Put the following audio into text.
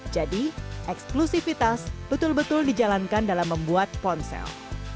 jadi eksklusifitas betul betul dijalankan dalam membuat ponsel